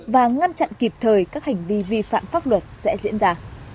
và ngăn chặn kịp thời các hành vi vi phạm pháp luật sẽ diễn ra